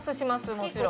もちろん。